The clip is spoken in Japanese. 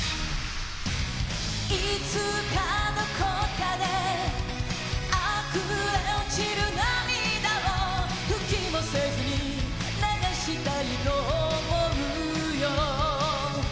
いつかどこかであふれ落ちる涙を拭きもせずに流したいと思うよ